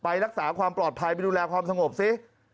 ไปรักษาความปลอดภัยไปดูแลความสงบซิ